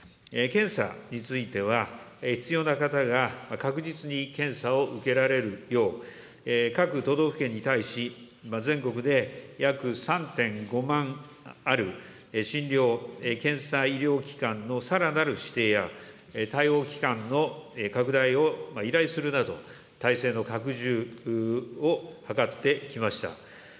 検査については、必要な方が確実に検査を受けられるよう、各都道府県に対し、全国で約３．５万ある診療・検査医療機関のさらなる指定や、対応機関の拡大を依頼するなど、体制の拡充を図ってきました。